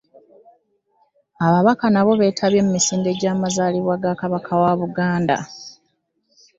Ababaka nabo beetabye mu misinde gy'amazaalibwa ga kabaka wa Buganda.